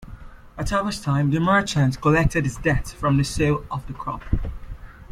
At harvest time the merchant collected his debts from the sale of the crop.